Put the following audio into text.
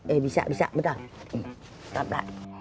eh bisa bisa betul